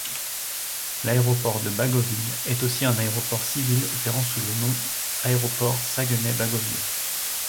L'aéroport de Bagotville est aussi un aéroport civil opérant sous le nom Aéroport Saguenay-Bagotville.